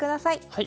はい。